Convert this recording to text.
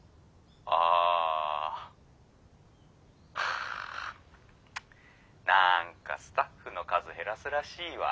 あぁはぁなんかスタッフの数減らすらしいわ。